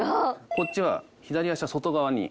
こっちは左足は外側に。